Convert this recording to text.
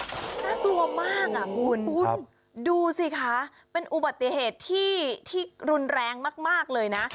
น่ากลัวมากอ่ะคุณดูสิคะเป็นอุบัติเหตุที่รุนแรงมากเลยนะ